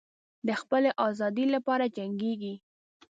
د خپلې آزادۍ لپاره جنګیږي.